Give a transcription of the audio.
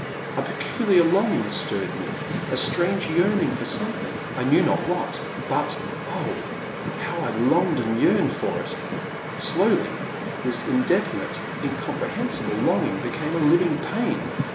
A peculiar fonging stirred me, — a strange yearning for something — I knew not what — ^but, oh ! how I longed and yearned for it ! Slowly this indefinite, incomprehensible longing became a living pain.